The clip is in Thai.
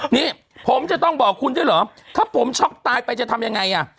นี่ผมจะต้องบอกคุณด้วยเหรอถ้าผมช็อกตายไปจะทำยังไงอ่ะ